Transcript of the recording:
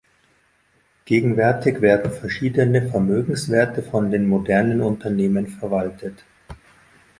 Gegenwärtig werden verschiedene Vermögenswerte von den modernen Unternehmen verwaltet.